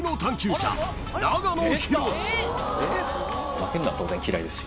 負けんのは当然嫌いですよ。